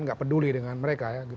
tidak peduli dengan mereka